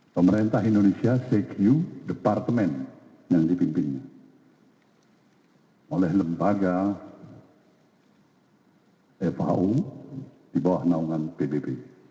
pemerintah indonesia secure departemen yang dipimpin oleh lembaga fau di bawah naungan pbb